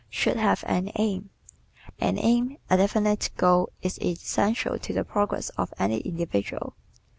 Should Have an Aim ¶ An aim, a definite goal is essential to the progress of any individual.